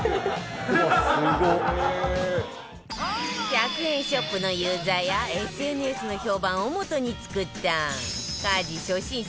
１００円ショップのユーザーや ＳＮＳ の評判をもとに作った家事初心者